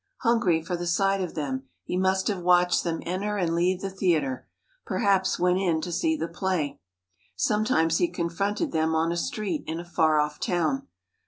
Hungry for the sight of them, he must have watched them enter and leave the theatre—perhaps went in to see the play. Sometimes he confronted them on a street in a far off town.